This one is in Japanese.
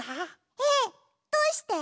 えっどうして？